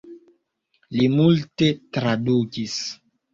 Li multe tradukis.